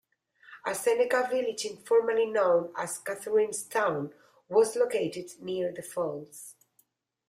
A Seneca village informally known as Catharine's Town was located near the falls.